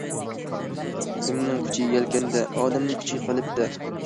كېمىنىڭ كۈچى يەلكەندە، ئادەمنىڭ كۈچى قەلبتە.